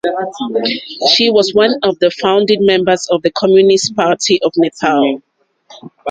She was one of the founding members of the Communist Party of Nepal.